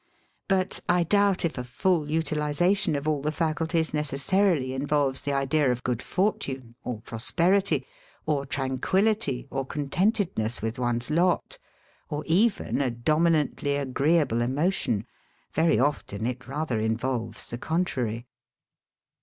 But I doubt if a full utilisation of all the faculties necessarily involves the idea of good fortune, or prosperity, or tran quillity, or contentedness with one's lot, or even a "dominantly agreeable emotion"; very often it rather involves the contrary.